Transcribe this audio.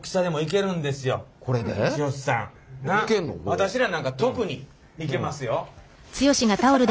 私らなんか特にいけますよ。